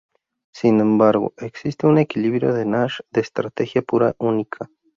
Sin embargo, existe un equilibrio de Nash de estrategia pura única.